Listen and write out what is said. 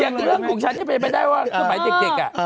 อย่างในเรื่องของฉันไม่ได้ว่าชมมือใหม่เด็กอ่ะ